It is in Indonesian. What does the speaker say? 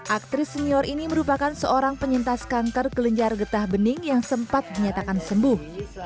aktris senior ini merupakan seorang penyintas kanker kelenjar getah bening yang sempat dinyatakan sembuh